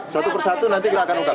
satu persatu nanti kita akan ungkap